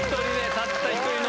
たった１人の。